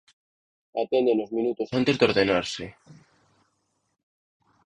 Aténdenos minutos antes de ordenarse.